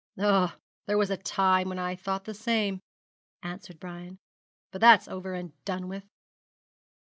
'Ah, there was a time when I thought the same,' answered Brian; 'but that's over and done with.'